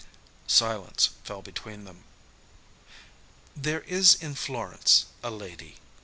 Silence fell between them. "There is in Florence a lady.